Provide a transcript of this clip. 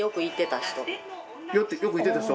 よく行ってた人？